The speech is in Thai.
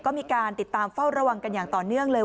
ก็มีการติดตามเฝ้าระวังกันอย่างต่อเนื่องเลย